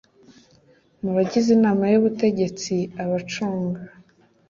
Mu bagize inama y ubutegetsi abacunga